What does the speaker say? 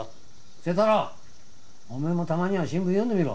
星太郎お前もたまには新聞読んでみろ。